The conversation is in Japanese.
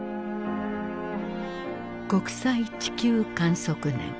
国際地球観測年。